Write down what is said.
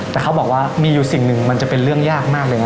แต่เขาบอกว่ามีอยู่สิ่งหนึ่งมันจะเป็นเรื่องยากมากเลยนะ